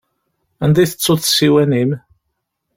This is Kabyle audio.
Anda i tettuḍ ssiwan-im?